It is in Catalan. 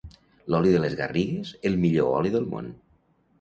L'oli de les Garrigues, el millor oli del món.